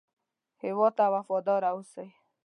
هېواد ته وفاداره اوسئ